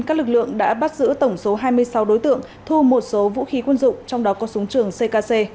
các lực lượng đã bắt giữ tổng số hai mươi sáu đối tượng thu một số vũ khí quân dụng trong đó có súng trường ckc